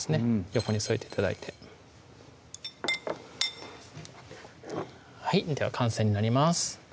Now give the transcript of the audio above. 横に添えて頂いてでは完成になります